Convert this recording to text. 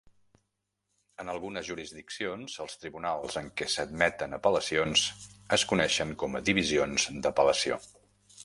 En algunes jurisdiccions, els tribunals en què s'admeten apel·lacions es coneixen com a divisions d'apel·lació.